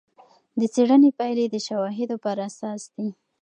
د څېړنې پایلې د شواهدو پر اساس دي.